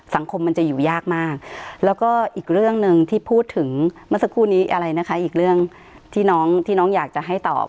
มันจะอยู่ยากมากแล้วก็อีกเรื่องหนึ่งที่พูดถึงเมื่อสักครู่นี้อะไรนะคะอีกเรื่องที่น้องที่น้องอยากจะให้ตอบ